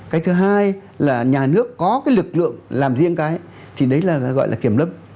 cái thứ hai là nhà nước có cái lực lượng làm riêng cái thì đấy là gọi là kiểm lâm